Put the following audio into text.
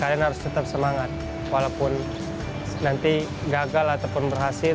kalian harus tetap semangat walaupun nanti gagal ataupun berhasil